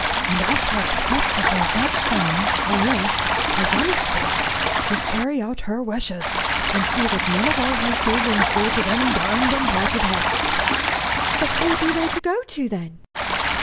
And as her expressed herself that strong, why us, as honest folks, must carry out her wishes, and see that none of all her savings go to them darned and dratted Hexts." "But who be they to go to, then?"